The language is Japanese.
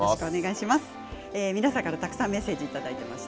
皆さんからたくさんメッセージいただいています。